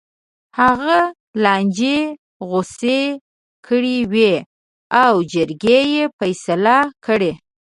هغه لانجې غوڅې کړې وې او جرګې یې فیصله کړې.